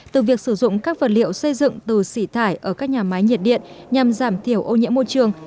từ việc sử dụng các vật liệu xây dựng từ xỉ thải ở các nhà máy nhiệt điện nhằm giảm thiểu ô nhiễm môi trường